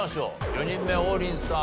４人目王林さん